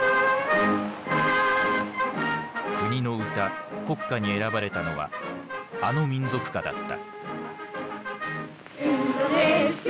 国の歌国歌に選ばれたのはあの民族歌だった。